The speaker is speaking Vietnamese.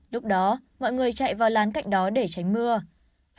lúc đó mọi người chạy vào lán cạnh đó để tránh mưa